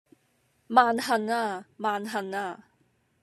萬幸呀！萬幸呀！